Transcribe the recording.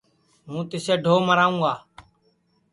ہوں تِسیں ڈھو مراوں گا